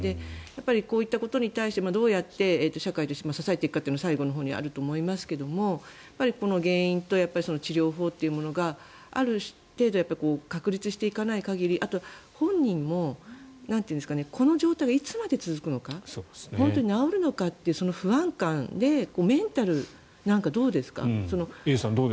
こういったことに対してどうやって社会として支えていくかというのが最後のほうにあると思いますがこの原因と治療法というものがある程度、確立していかない限りあと、本人もこの状態がいつまで続くのか本当に治るのかというその不安感でメンタルなんかどうですか？